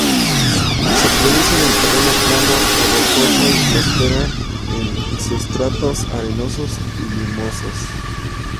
Se producen en terreno plano o rocoso, y prosperan en sustratos arenosos o limosos.